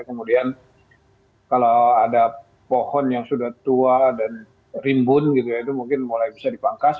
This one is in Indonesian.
kemudian kalau ada pohon yang sudah tua dan rimbun gitu ya itu mungkin mulai bisa dipangkas